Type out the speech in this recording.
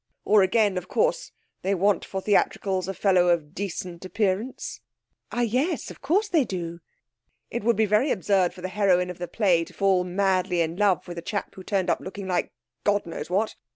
Or again, of course, they want for theatricals a fellow of decent appearance.' 'Ah, yes; of course they do.' 'It would be very absurd for the heroine of the play to be madly in love with a chap who turned up looking like, God knows what!